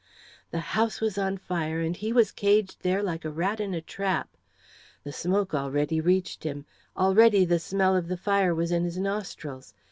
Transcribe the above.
The house was on fire! and he was caged there like a rat in a trap! The smoke already reached him already the smell of the fire was in his nostrils.